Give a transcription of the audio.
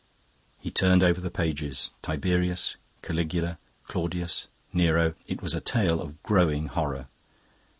He turned over the pages. Tiberius, Caligula, Claudius, Nero: it was a tale of growing horror.